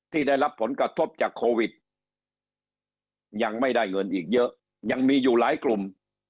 ได้รับผลกระทบจากโควิดยังไม่ได้เงินอีกเยอะยังมีอยู่หลายกลุ่ม